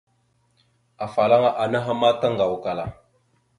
Afalaŋana anaha ma taŋgawakala.